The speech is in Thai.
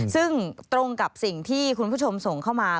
ซึ่งตรงกับสิ่งที่คุณผู้ชมส่งเข้ามา